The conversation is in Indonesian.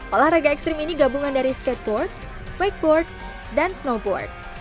olahraga ekstrim ini gabungan dari skateboard fakeboard dan snowboard